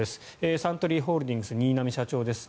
サントリーホールディングス新浪社長です。